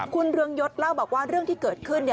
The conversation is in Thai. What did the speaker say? คุณเรืองยศเล่าบอกว่าเรื่องที่เกิดขึ้น